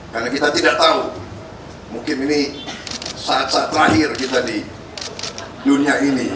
karena kita tidak tahu mungkin ini saat saat terakhir kita di dunia ini